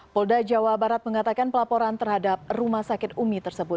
polda jawa barat mengatakan pelaporan terhadap rumah sakit umi tersebut